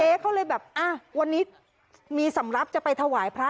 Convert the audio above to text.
เขาเลยแบบอ่ะวันนี้มีสำหรับจะไปถวายพระ